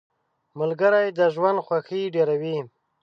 • ملګري د ژوند خوښي ډېروي.